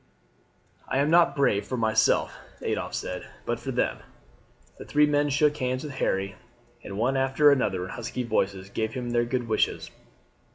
"I am not brave for myself, Adolphe, but for them." The three men shook hands with Harry, and one after another in husky voices gave him their good wishes.